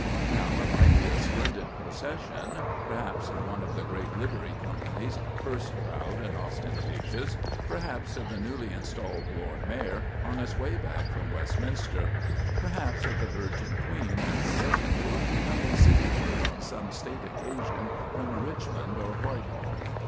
Now it might be a splendid procession—perhaps of one of the great livery companies, purse proud and ostentatious; perhaps of the newly installed Lord Mayor, on his way back from Westminster; perhaps of the Virgin Queen and her retinue, coming cityward on some state occasion from Richmond or Whitehall.